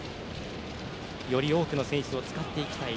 より多くの選手を使っていきたい。